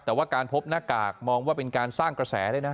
แต่ว่าการพบหน้ากากมองว่าเป็นการสร้างกระแสเลยนะ